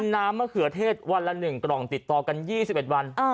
น้ำมะเขือเทศวันละ๑กล่องติดต่อกัน๒๑วัน